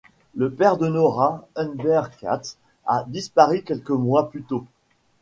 Le père de Nora, Humbert Katz, a disparu quelques mois plus tôt.